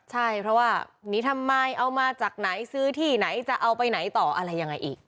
ใช่เพราะว่าหนีทำไมเอามาจากไหนซื้อที่ไหนจะเอาไปไหนต่ออะไรยังไงอีก